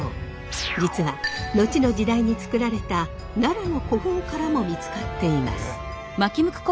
実は後の時代に作られた奈良の古墳からも見つかっています。